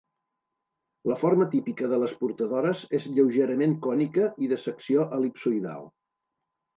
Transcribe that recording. La forma típica de les portadores és lleugerament cònica i de secció el·lipsoidal.